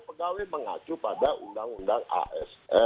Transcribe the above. pegawai mengacu pada undang undang asn